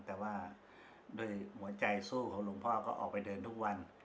แต่ว่าด้วยหัวใจสู้ของหลวงพ่อก็ออกไปเดินทุกวัน